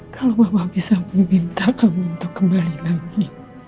kalau mama bisa meminta kamu untuk kembali lagi